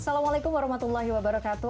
assalamualaikum warahmatullahi wabarakatuh